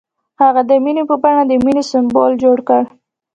هغه د مینه په بڼه د مینې سمبول جوړ کړ.